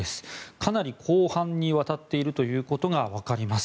かなり広範にわたっているということがわかります。